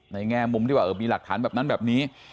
แง่มุมที่ว่ามีหลักฐานแบบนั้นแบบนี้